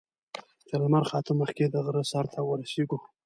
تر لمر خاته مخکې د غره سر ته ورسېږو.